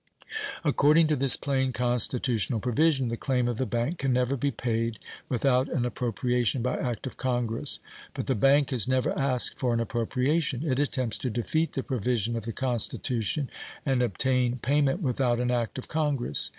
According to this plain constitutional provision, the claim of the bank can never be paid without an appropriation by act of Congress. But the bank has never asked for an appropriation. It attempts to defeat the provision of the Constitution and obtain payment without an act of Congress.